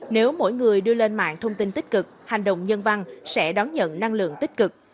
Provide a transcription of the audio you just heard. nếu mỗi người đưa lên mạng thông tin tích cực hành động nhân văn sẽ đón nhận năng lượng tích cực